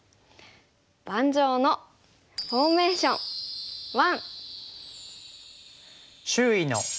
「盤上のフォーメーション１」。